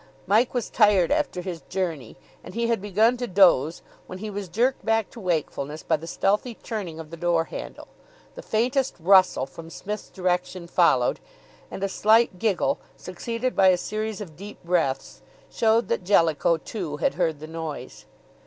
Mike was tired after his journey, and he had begun to doze when he was jerked back to wakefulness by the stealthy turning of the door handle; the faintest rustle from Psmith's direction followed, and a slight giggle, succeeded by a series of deep breaths, showed that Jellicoe, too, had heard the noise.